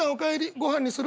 ご飯にする？